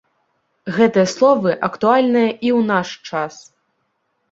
Гэтыя словы актуальныя і ў наш час.